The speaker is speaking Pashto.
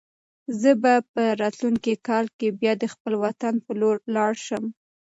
زه به په راتلونکي کال کې بیا د خپل وطن په لور لاړ شم.